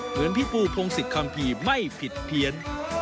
เหมือนพี่ปูพงศิษยคัมภีร์ไม่ผิดเพี้ยน